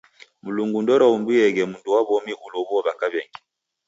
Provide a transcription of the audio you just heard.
Mlungu ndooreumbieghe mndu wa w'omi ulow'uo w'aka w'engi.